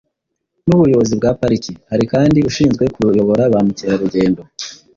n’ubuyobozi bwa pariki. Hari kandi ushinzwe kuyobora ba mukerarugendo